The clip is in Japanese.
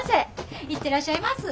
行ってらっしゃいます！